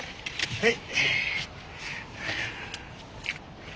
はい。